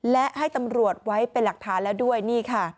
และให้ตำรวจไว้เป็นหลักฐานแล้วด้วยนี่ค่ะ